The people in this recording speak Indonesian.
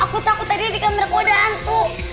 aku takut tadi di kameraku ada hantu